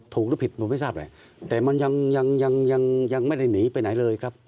ถูกหรือผิดผมไม่ทราบเลยแต่มันยังยังยังยังยังไม่ได้หนีไปไหนเลยครับ